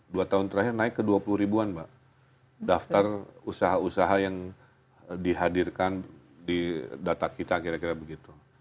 dua tahun terakhir naik ke dua puluh ribuan mbak daftar usaha usaha yang dihadirkan di data kita kira kira begitu